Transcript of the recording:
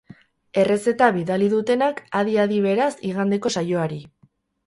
Errezeta bidali dutenak, adi-adi, beraz, igandeko saioari.